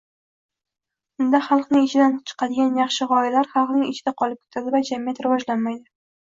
unda xalqning ichidan chiqadigan yaxshi g‘oyalar xalqning ichida qolib ketadi va jamiyat rivojlanmaydi.